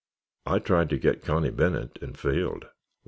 I tried to get Connie Bennet and failed.